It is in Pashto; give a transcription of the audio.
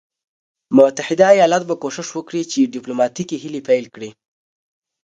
متحده ایالات به کوښښ وکړي چې ډیپلوماټیکي هلې پیل کړي.